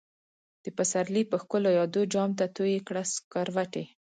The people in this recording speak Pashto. دپسرلی په ښکلو يادو، جام ته تويې کړه سکروټی